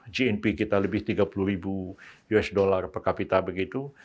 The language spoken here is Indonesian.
gnp kita lebih tiga puluh usd per kapita begitu